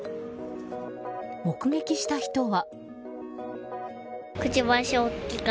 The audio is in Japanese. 目撃した人は。